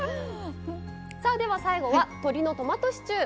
さあでは最後は鶏のトマトシチュー。